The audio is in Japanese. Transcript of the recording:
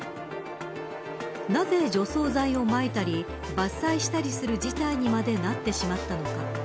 なぜ除草剤をまいたり伐採したりする事態にまでなってしまったのか。